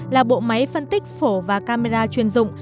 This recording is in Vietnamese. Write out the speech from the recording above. là bộ máy phân tích phổ và camera chuyên dụng